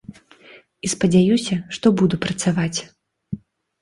І спадзяюся, што буду працаваць.